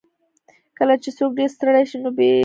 کله چې څوک ډېر ستړی شي، نو پېڅه هم ورته پلاو شي.